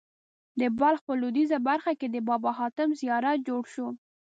د بلخ په لوېدیځه برخه کې د بابا حاتم زیارت جوړ شو.